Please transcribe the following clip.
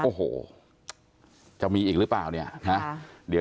โอ้โหจะมีอีกหรือเปล่าเนี่ย